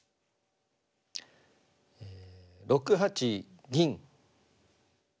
６八銀。